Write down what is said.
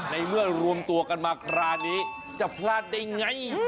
ในเมื่อรวมตัวกันมาคราวนี้จะพลาดได้ไง